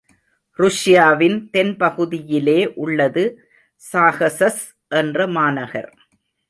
ருஷ்யாவின் தென் பகுதியிலே உள்ளது சாகஸஸ் என்ற மாநகர்.